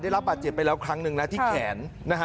ได้รับบาดเจ็บไปแล้วครั้งหนึ่งนะที่แขนนะฮะ